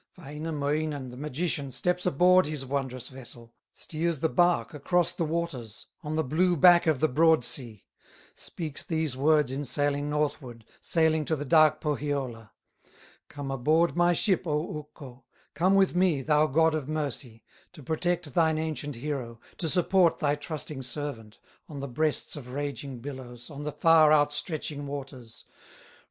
Wainamoinen, the magician, Steps aboard his wondrous vessel, Steers the bark across the waters, On the blue back of the broad sea, Speaks these words in sailing northward, Sailing to the dark Pohyola: "Come aboard my ship, O Ukko, Come with me, thou God of mercy, To protect thine ancient hero, To support thy trusting servant, On the breasts of raging billows, On the far out stretching waters.